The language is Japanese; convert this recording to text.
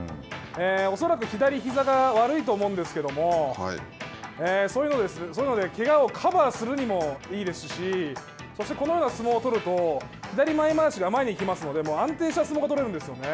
恐らく左ひざが悪いと思うんですけどもそういうのでけがをカバーするにもいいですしそして、このような相撲を取ると左前まわしが前に行きますので安定した相撲が取れるんですよね。